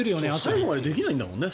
最後までできないんだもんね。